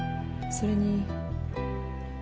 それに？